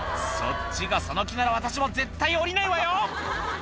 「そっちがその気なら私も絶対降りないわよ！」